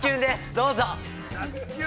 どうぞ！